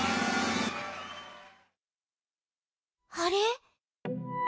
あれ？